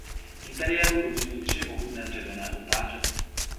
Interiéru dominují tři mohutné dřevěné oltáře.